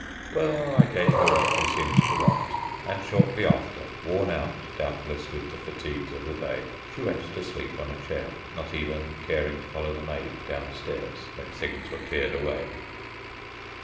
Well, I gave her what she seemed to want, and shortly after, worn out doubtless with the fatigues of the day, she went to sleep on a chair, not even caring to follow the maid downstairs when things were cleared away.